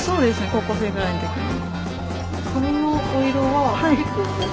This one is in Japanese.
高校生ぐらいのときに。